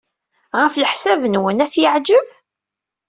Ɣef leḥsab-nwen, ad t-yeɛjeb?